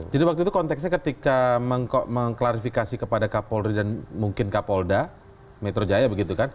jadi waktu itu konteksnya ketika mengklarifikasi kepada kapolri dan mungkin kapolda metro jaya begitu kan